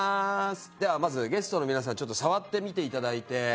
ではまずゲストの皆さんちょっと触ってみて頂いて。